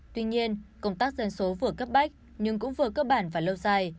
tuy nhiên công tác dân số vừa cấp bách nhưng cũng vừa cơ bản và lâu dài